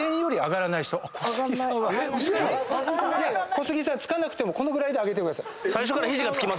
小杉さんつかなくてもこのぐらいで上げてください。